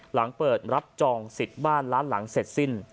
หลังเปิดรับจองสิทธิ์บ้านล้านหลังเสร็จสิ้น